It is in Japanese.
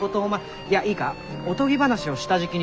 いやいいかおとぎ話を下敷きにして。